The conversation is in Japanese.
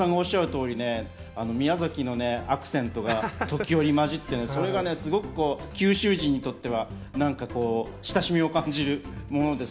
松田さんがおっしゃる通り宮崎のアクセントが時折混じってね、それが九州人にとっては親しみを感じるものです。